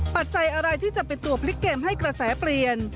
ปัจจัยอะไรที่จะเป็นตัวพลิกเกมให้กระแสเปลี่ยน